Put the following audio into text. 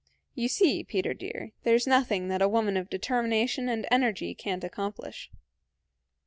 You see, Peter dear, there's nothing that a woman of determination and energy can't accomplish."